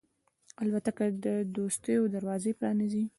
الوتکه د دوستیو دروازې پرانیزي.